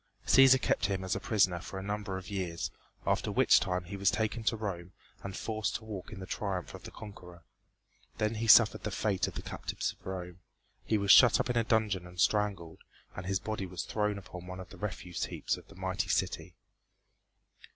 Cæsar kept him as a prisoner for a number of years, after which time he was taken to Rome and forced to walk in the triumph of the conqueror. Then he suffered the fate of the captives of Rome. He was shut up in a dungeon and strangled, and his body was thrown upon one of the refuse heaps of the mighty city.